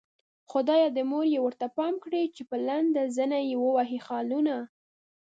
خدايه د مور يې ورته پام کړې چې په لنډۍ زنه يې ووهي خالونه